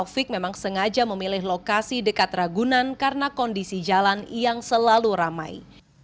pilih lokasi dekat ragunan karena kondisi jalan yang selalu ramai